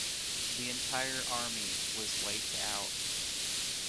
The entire army was wiped out.